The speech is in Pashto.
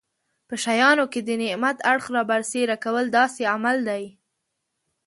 په شیانو کې د نعمت اړخ رابرسېره کول داسې عمل دی.